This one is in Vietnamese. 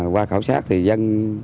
qua khảo sát thì dân